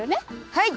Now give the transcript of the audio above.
はい。